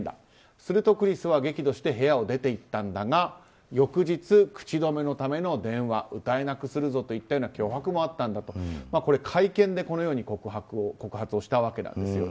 すると、クリスは激怒して部屋を出て行ったんだが翌日、口止めのための電話歌えなくするぞといったような脅迫もあったんだとこれ、会見でこのように告発をしたわけなんです。